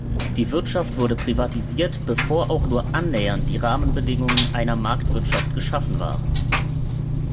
Die Wirtschaft wurde privatisiert, bevor auch nur annähernd die Rahmenbedingungen einer Marktwirtschaft geschaffen waren.